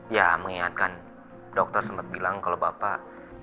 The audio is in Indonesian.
ya mengingatkan dokter sempat bilang kalau bapak